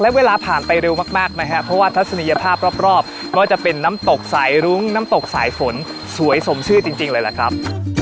และเวลาผ่านไปเร็วมากนะครับเพราะว่าทัศนียภาพรอบไม่ว่าจะเป็นน้ำตกสายรุ้งน้ำตกสายฝนสวยสมชื่อจริงเลยล่ะครับ